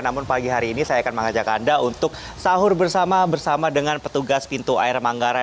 namun pagi hari ini saya akan mengajak anda untuk sahur bersama bersama dengan petugas pintu air manggarai